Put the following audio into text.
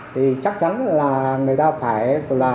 thì chắc chắn là người ta phải